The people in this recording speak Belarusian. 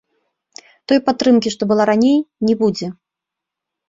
Той падтрымкі, што была раней, не будзе!